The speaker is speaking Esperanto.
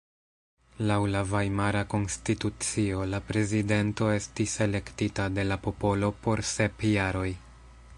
Laŭ la Vajmara Konstitucio la prezidento estis elektita de la popolo por sep jaroj.